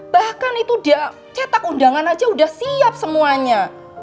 bahkan itu dia cetak undangan aja udah siap semuanya